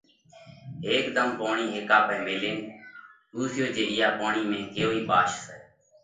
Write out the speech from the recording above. ھيڪ ڌم پوڻي ھيڪا پاھي ميلينَ پونسيو جي اِيئا پوڻِي ۾ ڪيوئي ٻاش سئہ؟